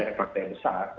pada faktor yang besar